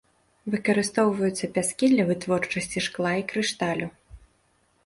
Выкарыстоўваюцца пяскі для вытворчасці шкла і крышталю.